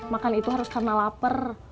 makan itu harus karena lapar